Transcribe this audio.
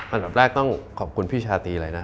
อันดับแรกต้องขอบคุณพี่ชาตรีเลยนะ